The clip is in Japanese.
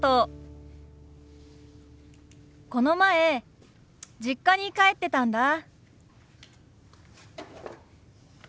この前実家に帰ってたんだ。